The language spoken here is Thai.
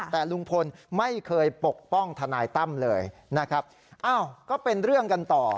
แต่ลุงพลไม่เคยปกป้องทนายตั้มเลยนะครับอ้าวก็เป็นเรื่องกันต่อ